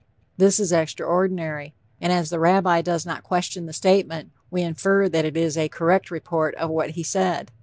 This is extraordinary; and as the Rabbi does not question the statement, we infer that it is a correct report of what he said.